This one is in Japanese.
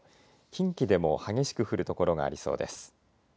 近畿でも激しく降る所がありそうです。